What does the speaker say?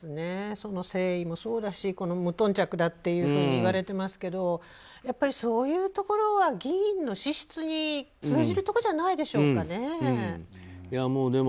誠意もそうだし無頓着だというふうに言われてますけどそういうところは議員の資質に通じるところじゃないでしょうかね。